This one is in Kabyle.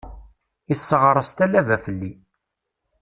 Isseɣṛes talaba fell-i.